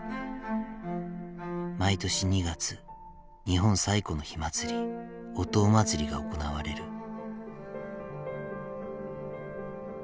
毎年２月日本最古の火祭り御燈祭が行われる。